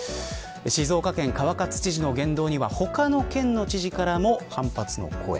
静岡県、川勝知事の言動には他の県の知事からも反発の声。